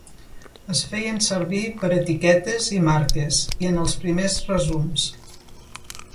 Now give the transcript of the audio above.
Es feien servir per a etiquetes i marques i en els primers resums.